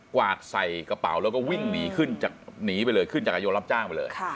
กวาดใส่กระเป๋าแล้วก็วิ่งหนีไปเลยขึ้นจากอโยงรับจ้างไปเลย